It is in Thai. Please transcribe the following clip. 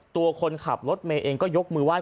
ตัวคนขับรถเมล์เองก็ยกมือว่า